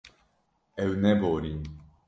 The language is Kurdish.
Ew neborîn.